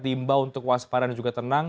dibawa untuk waspada dan tenang